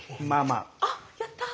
あっやった！